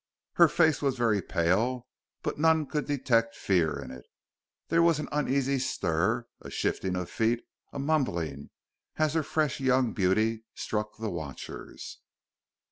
Her face was very pale, but none could detect fear in it. There was an uneasy stir, a shifting of feet, a mumbling, as her fresh young beauty struck the watchers.